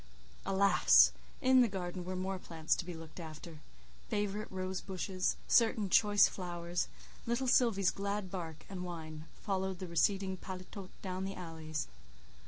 Alas! in the garden were more plants to be looked after,—favourite rose bushes, certain choice flowers; little Sylvie's glad bark and whine followed the receding paletôt down the alleys.